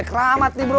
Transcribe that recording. keramat nih bro